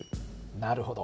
なるほど。